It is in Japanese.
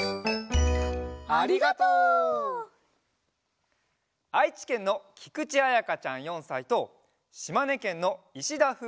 ありがとう！あいちけんのきくちあやかちゃん４さいとしまねけんのいしだふう